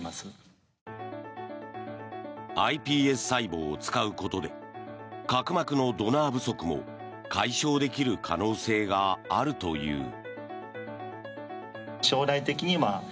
ｉＰＳ細胞を使うことで角膜のドナー不足も解消できる可能性があるという。